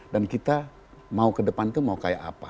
dan kita mau ke depanku mau kayak apa